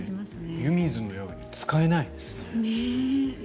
湯水のように使えないですね。